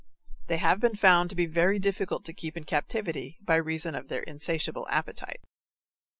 They have been found to be very difficult to keep in captivity by reason of their insatiable appetite.